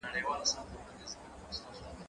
زه به سبا کتابتون ته ولاړ سم!؟